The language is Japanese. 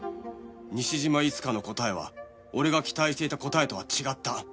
西島いつかの答えは俺が期待していた答えとは違った